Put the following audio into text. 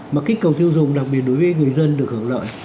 mà kích cầu tiêu dùng đặc biệt đối với người dân được hưởng lợi